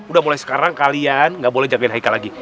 udah mulai sekarang kalian gak boleh jagain haika lagi